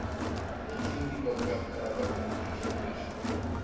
Ikindi bagakaraba intoki inshuro nyinshi